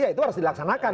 ya itu harus dilaksanakan